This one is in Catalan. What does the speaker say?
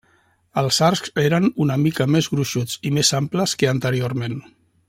Els arcs eren una mica més gruixuts i més amples que anteriorment.